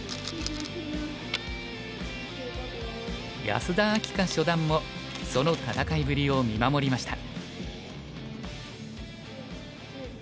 安田明夏初段もその戦いぶりを見守りました。